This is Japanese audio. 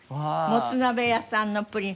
もつ鍋屋さんのプリン。